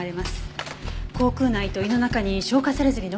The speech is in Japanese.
口腔内と胃の中に消化されずに残っていました。